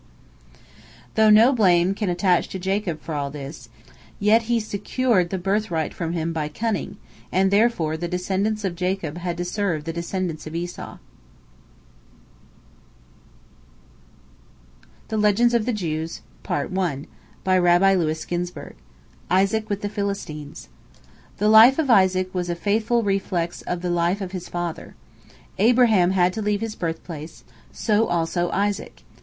Though no blame can attach to Jacob for all this, yet he secured the birthright from him by cunning, and therefore the descendants of Jacob had to serve the descendants of Esau. ISAAC WITH THE PHILISTINES The life of Isaac was a faithful reflex of the life of his father. Abraham had to leave his birthplace; so also Isaac.